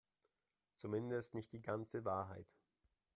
Zumindest nicht die ganze Wahrheit.